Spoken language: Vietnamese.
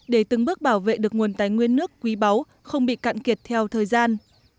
để từng bước bảo vệ được nguồn tài nguyên nước quý báu không bị cạn kiệt theo thời gian